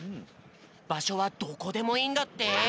ばしょはどこでもいいんだって。